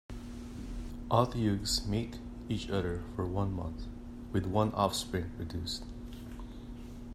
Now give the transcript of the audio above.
Otyughs mate each year for one month, with one offspring produced.